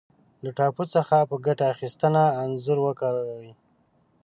له ټاپو څخه په ګټه اخیستنه انځور وکاږئ.